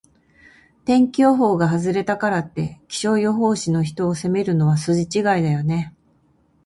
天気予報が外れたからって、気象予報士の人を責めるのは筋違いだよね。